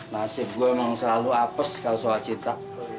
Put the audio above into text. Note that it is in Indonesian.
nasib gue emang selalu apes kalau sholat cinta